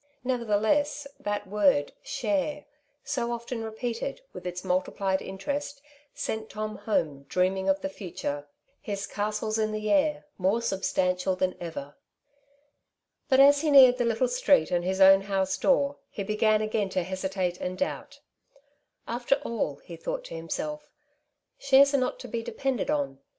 Nevertheless, that word " share," so often repeated, with its multi plied interest, sent Tom home dreaming of the future, his castles in the air more substantial tban ever. But as he neared the little street and his own house door, he began again to hesitate and doubt. *' After all," he thought to himself, ^^ shares are not to be depended on.